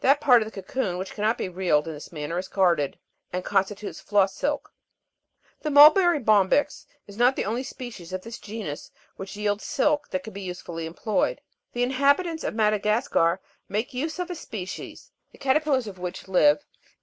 That part of the cocoon which cannot be reeled in this manner is carded, and constitutes floss silk. 29. The mulberry bombyx is not the only species of this genus which yields silk that can be usefully employed ; the inhabitants of Madagascar make use of a species, the caterpillars of which live 26.